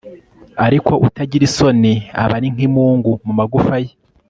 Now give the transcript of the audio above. ariko utagira isoni aba ari nk'imungu mu magufa ye